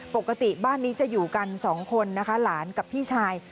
ปกติบ้านนี้จะอยู่กันสองคนนะคะหลานกับพี่ชาย